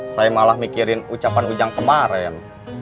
saya malah mikirin ucapan ujang kemarin